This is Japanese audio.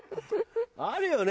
あるよね